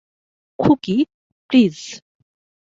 Khuki, please.